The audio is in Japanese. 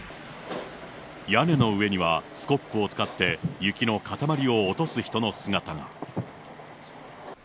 屋根の上には、スコップを使って、雪の固まりを落とす人の姿が。